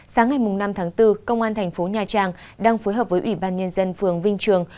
sáng ngày năm tháng bốn công an thành phố nha trang đang phối hợp với ủy ban nhân dân phường vinh trường